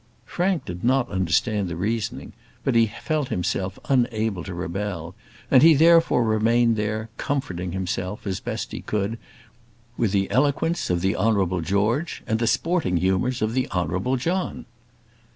Frank did not understand the reasoning; but he felt himself unable to rebel, and he therefore, remained there, comforting himself, as best he might, with the eloquence of the Honourable George, and the sporting humours of the Honourable John.